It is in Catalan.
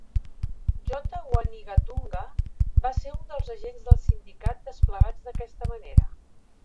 J. Wanigatunga va ser un dels agents del sindicat desplegats d'aquesta manera.